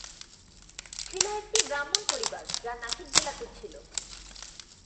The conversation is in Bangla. ছিল একটি ব্রাহ্মণ পরিবার যা নাশিক জেলা তে ছিল।